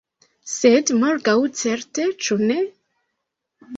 Sed morgaŭ certe, ĉu ne?